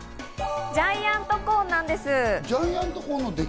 ジャイアントコーンなんです。